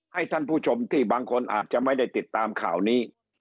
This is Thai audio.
ให้ท่านผู้ชมที่บางคนอาจจะไม่ได้ติดตามข่าวนี้